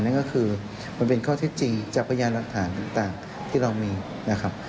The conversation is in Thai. นั่นก็คือมันเป็นข้อเท็จจริงจากพยานหลักฐานต่างที่เรามีนะครับ